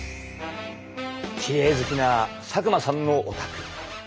きれい好きな佐久間さんのお宅。